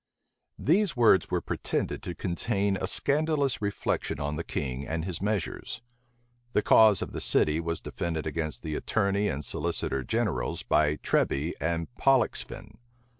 These words were pretended to contain a scandalous reflection on the king and his measures. The cause of the city was defended against the attorney and solicitor generals by Treby and Pollexfen.